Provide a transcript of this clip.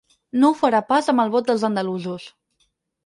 No ho farà pas amb el vot dels andalusos.